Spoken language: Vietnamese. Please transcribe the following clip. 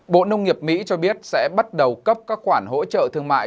bộ nông nghiệp mỹ cho biết sẽ bắt đầu cấp các khoản hỗ trợ thương mại